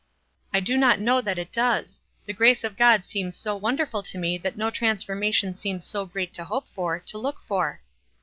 "I do not know that it docs; the grace of 1 God seems so wonderful to mc that no transfor mation seems too great to hope for, to look for."